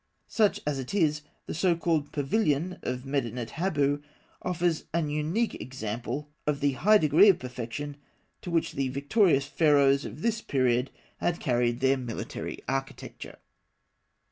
Such as it is, the so called "pavilion" of Medinet Habu offers an unique example of the high degree of perfection to which the victorious Pharaohs of this period had carried their military architecture.